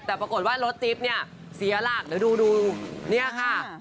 แต่ปรากฏว่ารถจิ๊บเนี่ยเสียหลักเดี๋ยวดูเนี่ยค่ะ